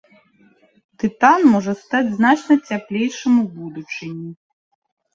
Тытан можа стаць значна цяплейшым у будучыні.